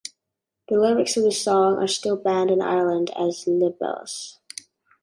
The lyrics of the song are still banned in Ireland as libelous.